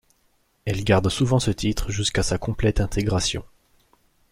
Elle garde souvent ce titre jusqu'à sa complète intégration.